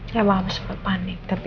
jawaban dengan besok lah